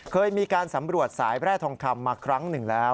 เคยมีการสำรวจสายแร่ทองคำมาครั้งหนึ่งแล้ว